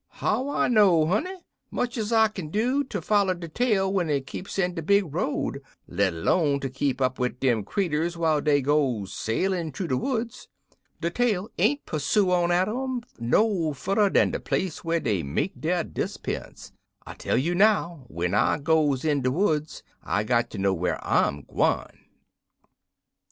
"How I know, honey? Much ez I kin do ter foller de tale when it keeps in de big road, let 'lone ter keep up wid dem creeturs whiles dey gone sailin' thoo de woods. De tale ain't persoo on atter um no furder dan de place whar dey make der disappear'nce. I tell you now, when I goes in de woods, I got ter know whar I'm gwine."